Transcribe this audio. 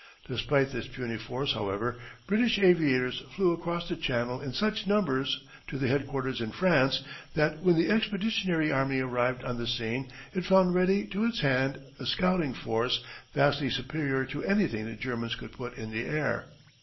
Despite this puny force, however, British aviators flew across the channel in such numbers to the headquarters in France that when the Expeditionary Army arrived on the scene it found ready to its hand a scouting force vastly superior to anything the Germans could put in the air.